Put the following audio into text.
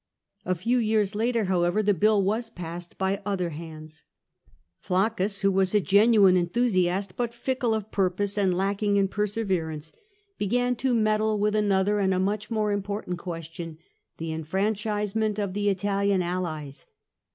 A few years later, however, the bill was passed by other hands. Placcus, who was a genuine enthusiast, but fickle of purpose and lacking in perseverance, began to meddle REVOLT OF FREGELLAE 53 with another and a much more important question — the enfranchisement of the Italian allies.